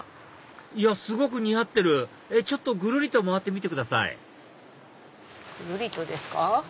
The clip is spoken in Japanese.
いやすごく似合ってるちょっとぐるりと回ってみてくださいぐるりとですか。